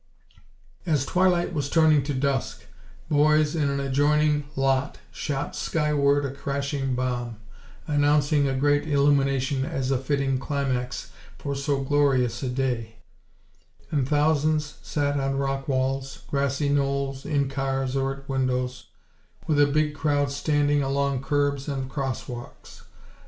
As twilight was turning to dusk, boys in an adjoining lot shot skyward a crashing bomb, announcing a grand illumination as a fitting climax for so glorious a day; and thousands sat on rock walls, grassy knolls, in cars or at windows, with a big crowd standing along curbs and crosswalks.